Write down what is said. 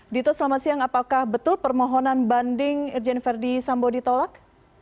dito selamat siang apakah betul permohonan banding irjen verdi sambo ditolak